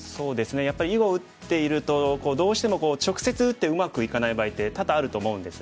やっぱり囲碁を打っているとどうしても直接打ってうまくいかない場合って多々あると思うんですね。